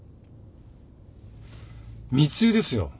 密輸ですよ。